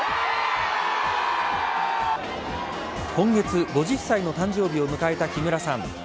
今月５０歳の誕生日を迎えた木村さん。